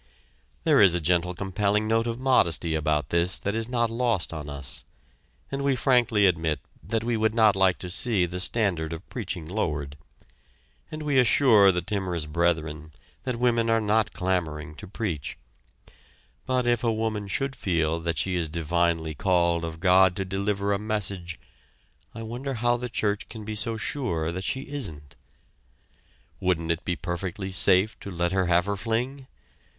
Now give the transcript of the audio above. There is a gentle compelling note of modesty about this that is not lost on us and we frankly admit that we would not like to see the standard of preaching lowered; and we assure the timorous brethren that women are not clamoring to preach; but if a woman should feel that she is divinely called of God to deliver a message, I wonder how the church can be so sure that she isn't. Wouldn't it be perfectly safe to let her have her fling?